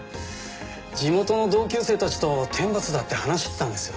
地元の同級生たちと天罰だって話してたんですよ。